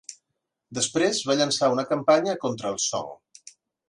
Després va llançar una campanya contra els Song.